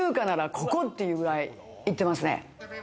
ここっていうぐらい行ってますね。